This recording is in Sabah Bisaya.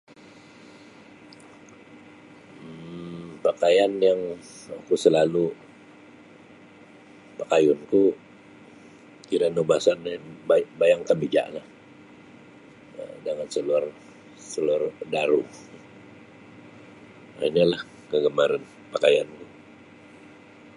um Pakaian yang oku selalu pakayunku kira naubasan nio bayang kemejalah dengan saluar daru um inolah kagamaran pakaianku.